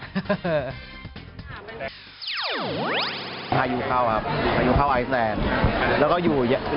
ถ่ายอยู่เข้าครับถ่ายอยู่เข้าไอศแลนด์